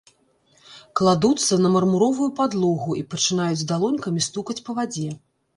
Кладуцца на мармуровую падлогу і пачынаюць далонькамі стукаць па вадзе.